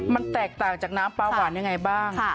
มันแตกต่างจากน้ำปลาหวานยังไงบ้าง